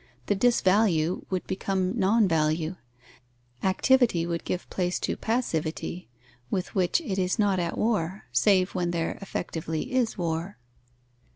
The disvalue would become nonvalue; activity would give place to passivity, with which it is not at war, save when there effectively is war.